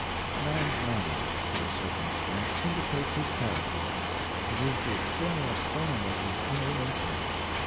A man's manner, to a certain extent, indicates his character. It is the external exponent of his inner na ture.